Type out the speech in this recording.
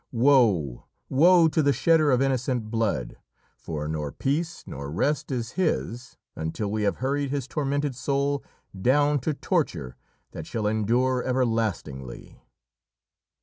Woe! woe! to the shedder of innocent blood, for nor peace nor rest is his until we have hurried his tormented soul down to torture that shall endure everlastingly!"